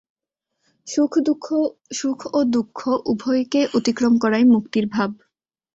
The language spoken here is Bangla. সুখ ও দুঃখ উভয়কে অতিক্রম করাই মুক্তির ভাব।